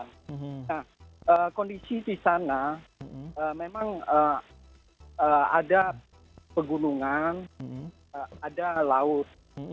nah kondisi di sana memang ada pegunungan ada laut